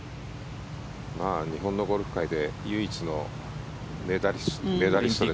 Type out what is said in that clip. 日本のゴルフ界で唯一のメダリストですね。